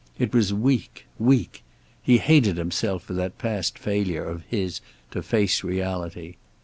It was weak. Weak. He hated himself for that past failure of his to face reality.